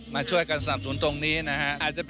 มาช่วยความสนับสนุนตรงนี้นะครับ